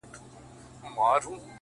ددې نړۍ وه ښايسته مخلوق ته؛